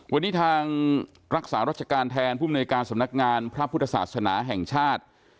วันนี้ทางรักษารัชการแทนผู้มนุยการสำนักงานพระพุทธศาสนาแห่งชาติ